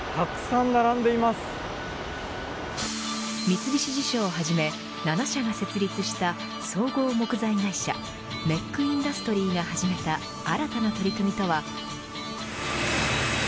三菱地所をはじめ７社が設立した総合木材会社ＭＥＣＩｎｄｕｓｔｒｙが始めた新たな取り組みとは。